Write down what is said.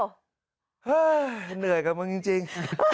เหนื่อยกับมึงจริง